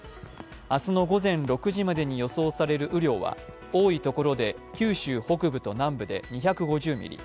明日の午前６時までに予想される雨量は多い所で九州北部と南部で２５０ミリ